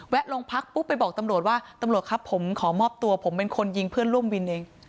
ลงพักปุ๊บไปบอกตำรวจว่าตำรวจครับผมขอมอบตัวผมเป็นคนยิงเพื่อนร่วมวินเอง